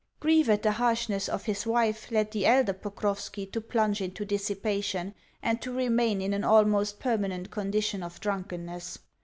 Grief at the harshness of his wife led the elder Pokrovski to plunge into dissipation, and to remain in an almost permanent condition of drunkenness.